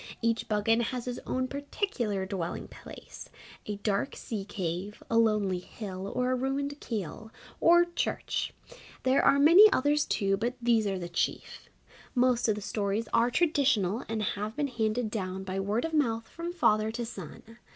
Each Buggane has his own particular dwelling place a dark sea cave, a lonely hill, or a ruined Keeill, or Church. There are many others too, but these are the chief. Most of the stories are traditional and have been handed down by word of mouth from father to son.